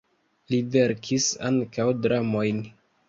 Li verkis ankaŭ dramojn.